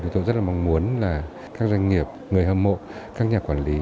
thì tôi rất là mong muốn là các doanh nghiệp người hâm mộ các nhà quản lý